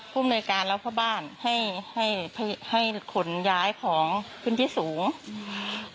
ภูมิหน่วยการและพ่อบ้านให้ให้ให้ขนย้ายของพื้นที่สูงอืม